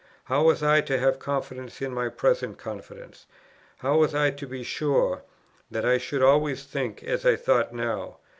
how was I to have confidence in my present confidence? how was I to be sure that I should always think as I thought now?